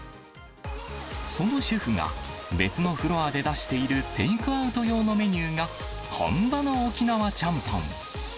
そのシェフが、別のフロアで出しているテイクアウト用のメニューが、本場の沖縄ちゃんぽん。